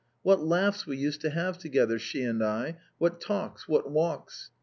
What laughs we used to have together, she and I, what talks, what walks!